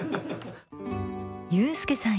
ユースケさん